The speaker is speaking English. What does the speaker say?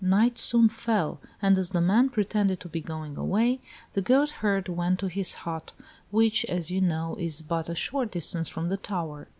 Night soon fell, and as the man pretended to be going away, the goat herd went to his hut, which, as you know, is but a short distance from the tower.